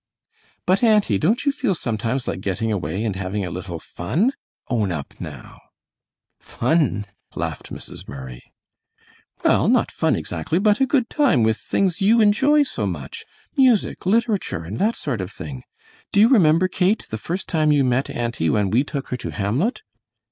"But, auntie, don't you feel sometimes like getting away and having a little fun? Own up, now." "Fun?" laughed Mrs. Murray. "Well, not fun exactly, but a good time with things you enjoy so much, music, literature, and that sort of thing. Do you remember, Kate, the first time you met auntie, when we took her to Hamlet?"